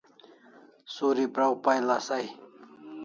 Suri praw pay lasai